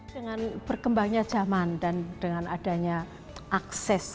dengan berkembangnya zaman dan dengan adanya akses